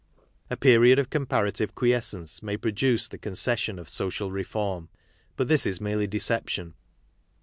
A period of comparative quiescence may produce the con cession of social reform, but this is merely deception.